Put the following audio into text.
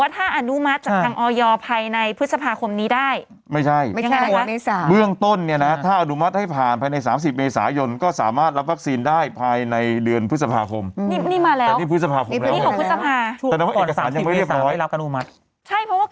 แต่นี่มันพฤษภาระไม่ใช่เหรอครับใช่ครับนี่